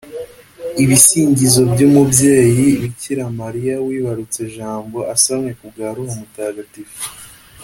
ibisingizo bw’umubyeyi Bikiramariya wibarutse Jambo asamwe ku bwa Roho Mutagatifu